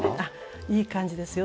いい感じですよ。